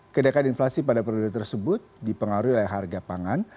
kedekatan inflasi pada pergerakan tersebut dipengaruhi oleh harga pangan